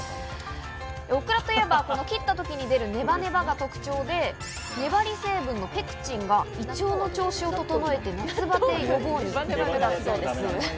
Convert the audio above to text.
オクラといえば、この切った時に出る、ねばねばが特徴で粘り成分のペクチンは胃腸の調子を整えて夏バテ予防に役立つんです。